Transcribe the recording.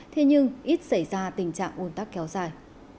thế nhưng ít xảy ra tình trạng ồn tắc kéo dài